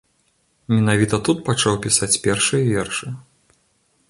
Менавіта тут пачаў пісаць першыя вершы.